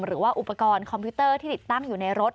หรือว่าอุปกรณ์คอมพิวเตอร์ที่ติดตั้งอยู่ในรถ